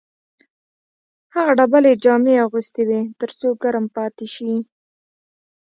هغه ډبلې جامې اغوستې وې تر څو ګرم پاتې شي